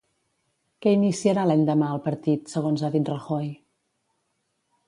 Què iniciarà l'endemà el partit, segons ha dit Rajoy?